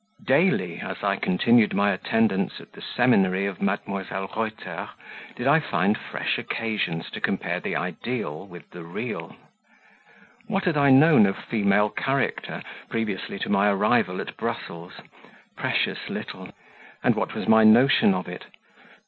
DAILY, as I continued my attendance at the seminary of Mdlle. Reuter, did I find fresh occasions to compare the ideal with the real. What had I known of female character previously to my arrival at Brussels? Precious little. And what was my notion of it?